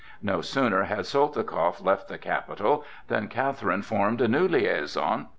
No sooner had Soltikoff left the capital than Catherine formed a new liaison.